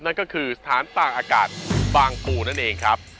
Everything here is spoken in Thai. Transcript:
นั่นก็คือสถานต่างอากาศบางปูนั่นเองครับ